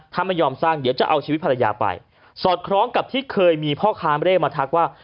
ถ้าไม่ยอมสร้างเดี๋ยวจะเอาชีวิตภรรยาไปสอดคล้องกับที่เคยมีพ่อค้าเร่มาทักว่า